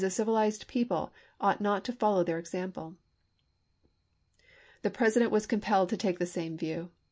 civilized people, ought not to follow their example." The President was compelled to take the same view.